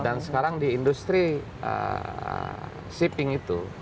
dan sekarang di industri shipping itu